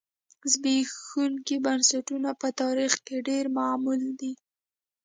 زبېښونکي بنسټونه په تاریخ کې ډېر معمول دي.